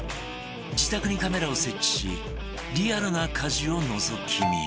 自宅にカメラを設置しリアルな家事をのぞき見